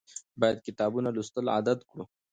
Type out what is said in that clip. باید کتابونه لوستل عادت کړو.